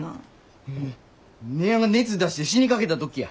姉やんが熱出して死にかけた時や。